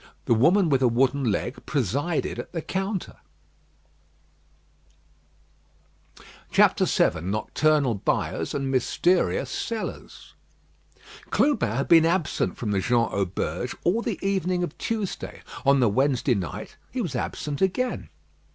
The woman with a wooden leg presided at the counter. VII NOCTURNAL BUYERS AND MYSTERIOUS SELLERS Clubin had been absent from the Jean Auberge all the evening of Tuesday. On the Wednesday night he was absent again.